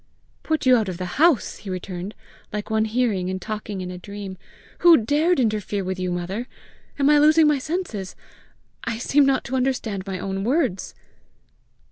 "Put you out of the house!" he returned, like one hearing and talking in a dream. "Who dared interfere with you, mother? Am I losing my senses? I seem not to understand my own words!"